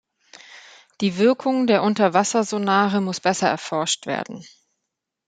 Die Wirkung der Unterwassersonare muss besser erforscht werden.